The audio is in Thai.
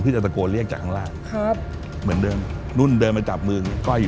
เพื่อจะตะโกเรียกจากข้างล่าง